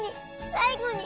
「さいごに」